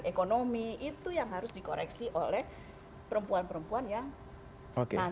ekonomi itu yang harus dikoreksi oleh perempuan perempuan yang tidak ada kebijakan